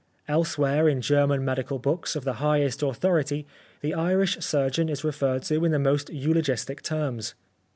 Elsewhere in German medical books of the highest authority, the Irish surgeon is referred to in the most eulo gistic terms.